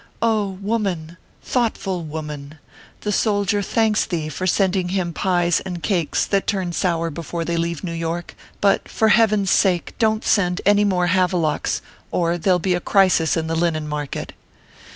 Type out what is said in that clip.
Oh ! woman thoughtful woman ! the soldier thanks thee for sending him pies and cakes that turn sour before they leave New York ; but, for heaven s sake don t send any more havelocks, or there ll be a crisis in the linen market.